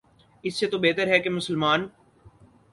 اس سے تو بہتر ہے کہ مسلمان